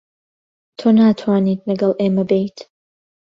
تۆ ناتوانیت لەگەڵ ئێمە بێیت.